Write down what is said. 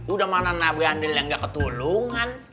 udah mana nabi andil yang gak ketulungan